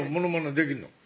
できんの？